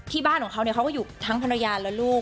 ที่บ้านของเค้าเนี่ยเค้าก็อยู่ทั้งภรรยาและลูก